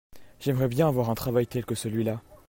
J'aimerais bien avoir un travail tel que celui-là.